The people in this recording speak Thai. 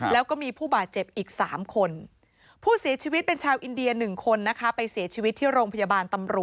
แล้วก็มีผู้บาดเจ็บอีกสามคนผู้เสียชีวิตเป็นชาวอินเดียหนึ่งคนนะคะ